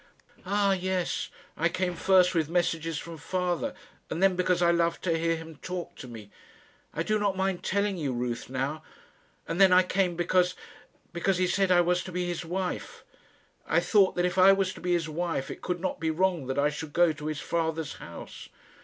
"Ah, yes. I came first with messages from father, and then because I loved to hear him talk to me. I do not mind telling you, Ruth, now. And then I came because because he said I was to be his wife. I thought that if I was to be his wife it could not be wrong that I should go to his father's house.